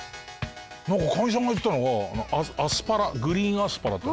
かみさんが言ってたのがアスパラグリーンアスパラ。